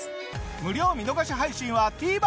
無料見逃し配信はＴＶｅｒで！